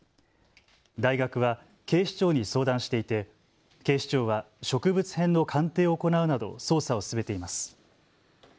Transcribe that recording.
大学は警視庁に相談していて警視庁は植物片の鑑定を行うなど捜査を進めています。